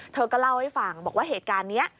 เธอก็เล่าให้ฟังบอกว่าเหตุการณ์นี้